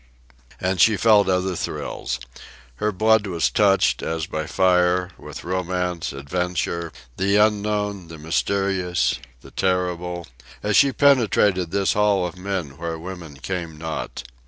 And she felt other thrills. Her blood was touched, as by fire, with romance, adventure the unknown, the mysterious, the terrible as she penetrated this haunt of men where women came not.